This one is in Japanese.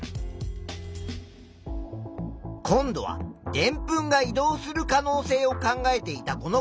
今度はでんぷんが移動する可能性を考えていた子のプラン。